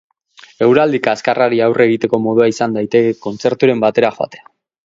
Eguraldi kaskarrari aurre egiteko modua izan daiteke kontzerturen batera joatea.